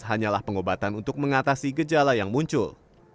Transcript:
hanyalah pengobatan untuk mengatasi gejala yang muncul